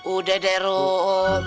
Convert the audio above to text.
udah deh rom